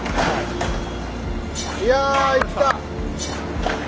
いやいった！